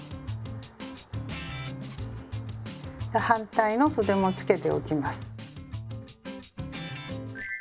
反対のそでもつけておきます。